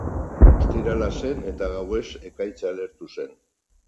Ostirala zen eta gauez ekaitza lehertu zen.